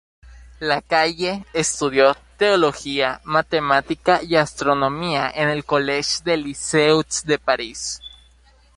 Lacaille estudió Teología, Matemática y Astronomía en el College de Lisieux de París.